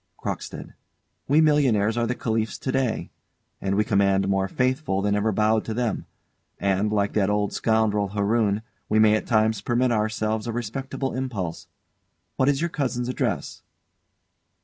CROCKSTEAD. We millionaires are the Caliphs to day; and we command more faithful than ever bowed to them. And, like that old scoundrel Haroun, we may at times permit ourselves a respectable impulse. What is your cousin's address?